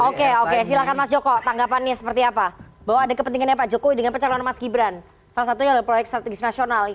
oke oke silahkan mas joko tanggapannya seperti apa bahwa ada kepentingannya pak jokowi dengan pencalonan mas gibran salah satunya adalah proyek strategis nasional